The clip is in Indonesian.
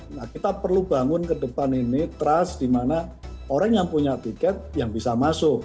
nah kita perlu bangun ke depan ini trust di mana orang yang punya tiket yang bisa masuk